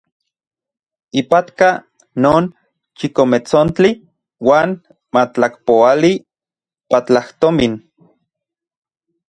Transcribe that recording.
Ipatka non chikometsontli uan matlakpoali platajtomin.